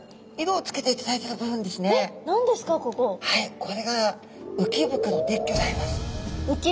これが鰾でギョざいます。